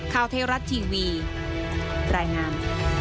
ข่าวไทยรัฐทีวีรายงาน